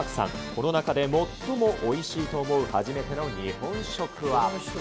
この中で最もおいしいと思う初めての日本食は。